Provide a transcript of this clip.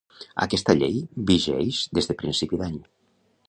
Aquesta llei vigeix des de principi d'any.